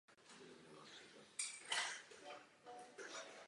Při rozsáhlých policejních akcích nechal zatknout i několik stovek městských úředníků.